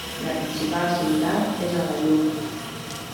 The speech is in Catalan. La principal ciutat és Al-Aaiun.